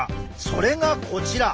それがこちら！